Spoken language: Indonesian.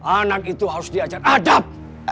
anak itu harus diajar adab